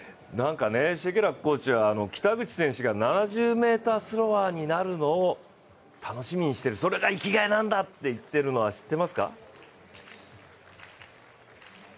シェケラックコーチは北口選手が７０ｍスローワーになるのを楽しみにしている、それが生きがいなんだって言っているのは知ってますか？